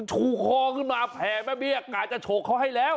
ชูคอขึ้นมาแผ่แม่เบี้ยกะจะโฉกเขาให้แล้ว